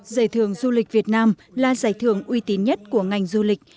giải thưởng du lịch việt nam là giải thưởng uy tín nhất của ngành du lịch